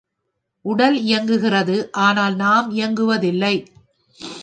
உடல் இயங்குகிறது ஆனால் நாம் இயங்குவதில்லை.